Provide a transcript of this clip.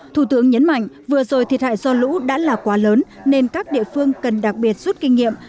thủ tướng nhấn mạnh vừa rồi thiệt hại do lũ đã là quá lớn nên các địa phương cần đặc biệt rút kinh nghiệm